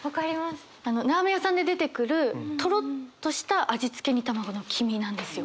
あのラーメン屋さんで出てくるトロッとした味付け煮卵の黄身なんですよ。